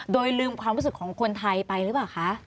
โดยลืมความรู้สึกของคนไทยไปหรือเปล่าคะ